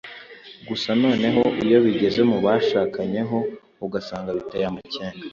gusa noneho iyo bigeze mu bashakanye ho ugasanga biteye amakenga